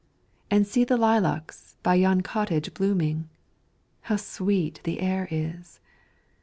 And see the lilacs by yon cottage blooming! How sweet the air is!